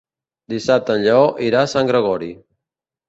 Dissabte en Lleó irà a Sant Gregori.